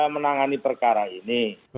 menangani perkara ini